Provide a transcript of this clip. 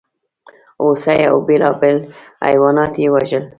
هوسۍ او بېلابېل حیوانات یې وژل.